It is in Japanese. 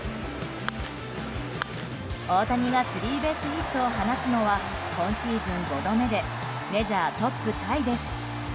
大谷がスリーベースヒットを放つのは今シーズン５度目でメジャートップタイです。